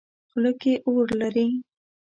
خوله کې اور لري.